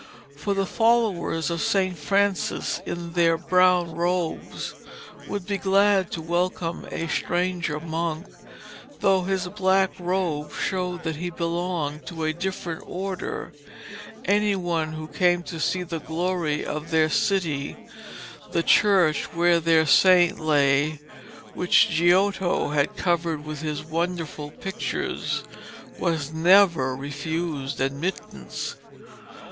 For the followers of St. Francis in their brown robes would be glad to welcome a stranger monk, though his black robe showed that he belonged to a different order. Any one who came to see the glory of their city, the church where their saint lay, which Giotto had covered with his wonderful pictures, was never refused admittance.